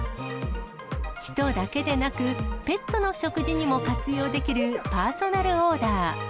人だけでなく、ペットの食事にも活用できるパーソナルオーダー。